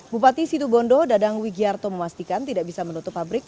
bupati situbondo dadang wigiarto memastikan tidak bisa menutup pabrik